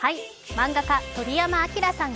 漫画家・鳥山明さん